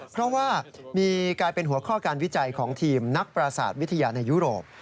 เพราะว่ามีกลายเป็นหัวข้อการวิจัยของทีมนักปราศาสตร์วิทยาในยุโรป